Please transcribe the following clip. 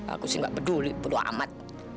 aku sih gak peduli penuh amat